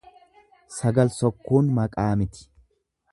Sagal sokkuun maqaa miti.